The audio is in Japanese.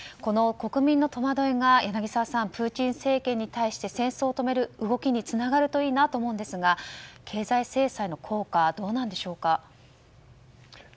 国民の戸惑いが柳澤さん、プーチン政権に対して戦争を止める動きにつながるといいなと思うんですが経済制裁の効果はどうなんでしょうか。